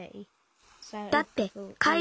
だってかい